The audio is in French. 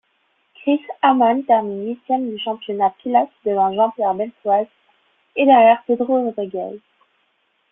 Chris Amon termine huitième du championnat pilotes devant Jean-Pierre Beltoise et derrière Pedro Rodríguez.